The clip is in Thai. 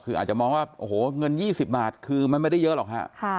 คืออาจจะมองว่าโอ้โหเงิน๒๐บาทคือมันไม่ได้เยอะหรอกฮะ